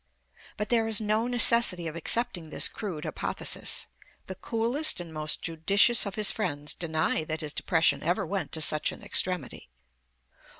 But there is no necessity of accepting this crude hypothesis; the coolest and most judicious of his friends deny that his depression ever went to such an extremity.